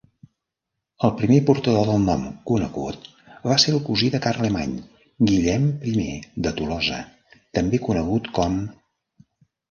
El primer portador del nom conegut va ser el cosí de Carlemany, Guillem I de Tolosa, també conegut com